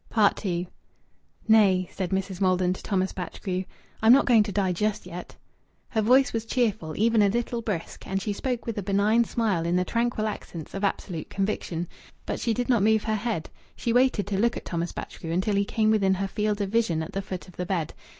II "Nay," said Mrs. Maldon to Thomas Batchgrew, "I'm not going to die just yet." Her voice was cheerful, even a little brisk, and she spoke with a benign smile in the tranquil accents of absolute conviction. But she did not move her head; she waited to look at Thomas Batchgrew until he came within her field of vision at the foot of the bed.